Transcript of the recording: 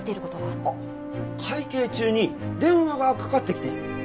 あっ会計中に電話がかかってきて。